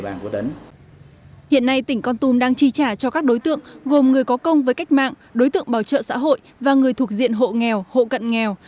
các nhóm còn lại các tỉnh có công với cách mạng đối tượng bảo trợ xã hội và người thuộc diện hộ nghèo hộ cận nghèo